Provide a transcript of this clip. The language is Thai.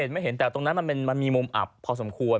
ไม่เห็นแต่ตรงนั้นมันมีมุมอับพอสมควร